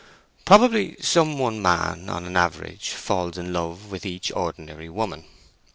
"Probably some one man on an average falls in love with each ordinary woman.